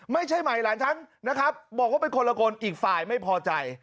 ไม่ใช่ใหม่หลานฉันนะครับบอกว่าเป็นคนละคนอีกฝ่ายไม่พอใจ